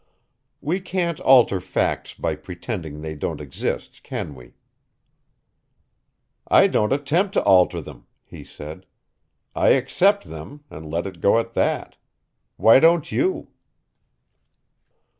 We can't alter facts by pretending they don't exist, can we?" "I don't attempt to alter them," he said. "I accept them and let it go at that. Why don't you?"